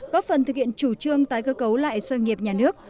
góp phần thực hiện chủ trương tái cơ cấu lại doanh nghiệp nhà nước